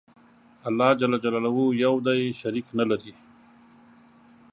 الله ج یو دی شریک نه لری